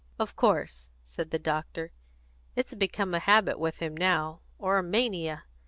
"Of course," said the doctor, "it's become a habit with him now, or a mania.